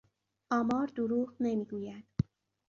آمار دروغ نمیگوید.